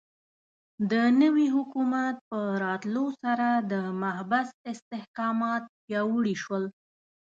د نوي حکومت په راتلو سره د محبس استحکامات پیاوړي شول.